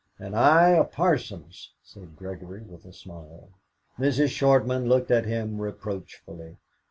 "And I a parson's," said Gregory, with a smile. Mrs. Shortman looked at him reproachfully.